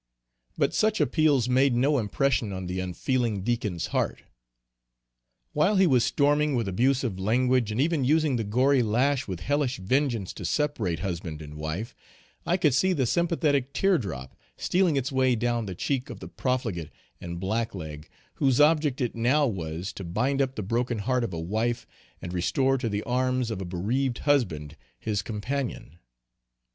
But such appeals made no impression on the unfeeling Deacon's heart. While he was storming with abusive language, and even using the gory lash with hellish vengeance to separate husband and wife, I could see the sympathetic teardrop, stealing its way down the cheek of the profligate and black leg, whose object it now was to bind up the broken heart of a wife, and restore to the arms of a bereaved husband, his companion.